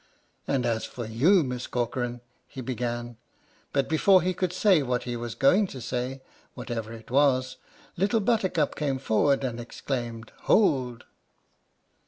" And as for you, Miss Corcoran —" he began, but before he could say what he was going to say (whatever it was) Little Buttercup came forward, and exclaimed " Hold